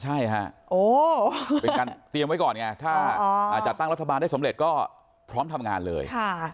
ใช่ค่ะเป็นการเตรียมไว้ก่อนไงถ้าจัดตั้งรัฐบาลได้สำเร็จก็พร้อมทำงานเลย